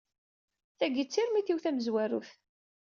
Tagi i d tirmit-iw tamezwarut.